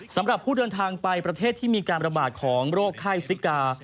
สำหรับผู้เดินทางไปประเทศที่มีการระบาดของโรคไข้ซิกา